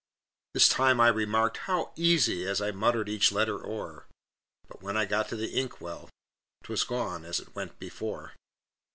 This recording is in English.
This time I remarked, "How easy!" As I muttered each letter o'er, But when I got to the inkwell 'Twas gone, as it went before.